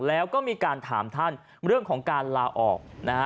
แล้วก็มีการถามท่านเรื่องของการลาออกนะฮะ